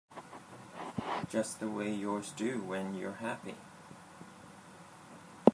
Just the way yours do when you're happy.